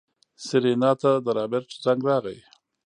سېرېنا ته د رابرټ زنګ راغی.